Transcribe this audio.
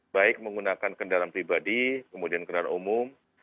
baik menggunakan kendaraan pribadi kemudian kendaraan umum